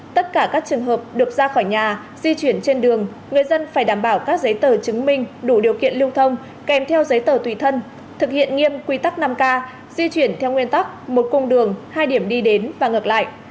tất cả các trường hợp được ra khỏi nhà di chuyển trên đường người dân phải đảm bảo các giấy tờ chứng minh đủ điều kiện lưu thông kèm theo giấy tờ tùy thân thực hiện nghiêm quy tắc năm k di chuyển theo nguyên tắc một cung đường hai điểm đi đến và ngược lại